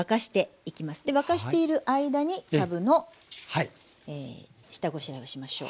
沸かしている間にかぶの下ごしらえをしましょう。